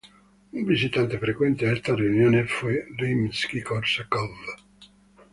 Un visitante frecuente a estas reuniones fue Rimski‑Kórsakov.